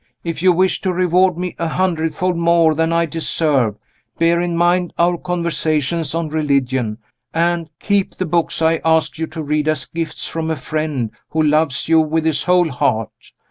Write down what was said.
If you wish to reward me a hundred fold more than I deserve, bear in mind our conversations on religion, and keep the books I asked you to read as gifts from a friend who loves you with his whole heart.